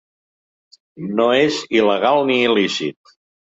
No és il·legal ni il·lícit